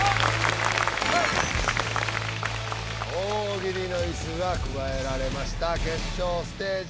大喜利のイスが加えられました決勝ステージ。